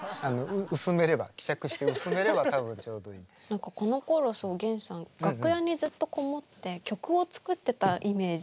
何かこのころおげんさん楽屋にずっと籠もって曲を作ってたイメージ。